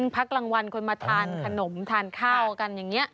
พักกลางวันคนมาทานขนมทานข้าวกันอย่างนี้